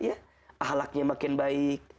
ahlaknya makin baik